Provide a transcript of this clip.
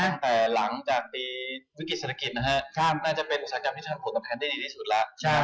ตั้งแต่หลังจากปีวิกฤตเศรษฐกิจนะฮะน่าจะเป็นอุตสาหกรรมที่ทำผลตอบแทนได้ดีที่สุดแล้ว